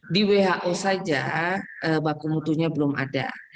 di who saja baku mutunya belum ada